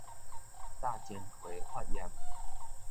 罩睛皮發炎